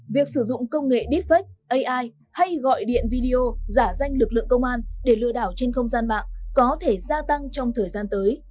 việc sử dụng công nghệ deepfake ai hay gọi điện video giả danh lực lượng công an để lừa đảo trên không gian mạng có thể gia tăng trong thời gian tới